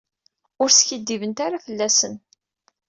Ur skiddibent ara fell-asen.